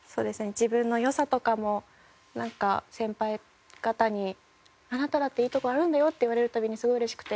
自分の良さとかもなんか先輩方にあなただっていいとこあるんだよって言われる度にすごい嬉しくて。